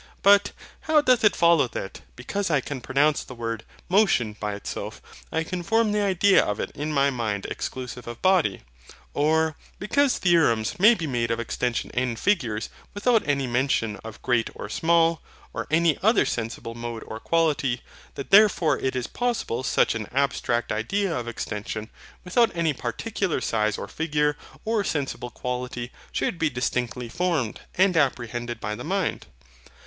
But, how doth it follow that, because I can pronounce the word MOTION by itself, I can form the idea of it in my mind exclusive of body? or, because theorems may be made of extension and figures, without any mention of GREAT or SMALL, or any other sensible mode or quality, that therefore it is possible such an abstract idea of extension, without any particular size or figure, or sensible quality, should be distinctly formed, and apprehended by the mind?